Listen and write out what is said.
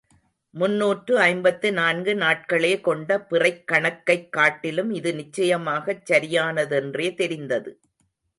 முன்னூற்று ஐம்பத்து நான்கு நாட்களே கொண்ட பிறைக்கணக்கைக் காட்டிலும் இது நிச்சயமாகச் சரியானதென்றே தெரிந்தது.